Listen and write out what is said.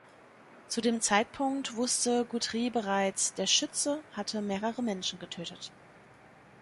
Zu dem Zeitpunkt wusste Guthrie bereits: der Schütze hatte mehrere Menschen getötet.